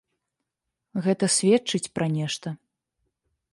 Гэта сведчыць пра нешта.